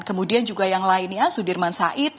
kemudian juga yang lainnya sudirman said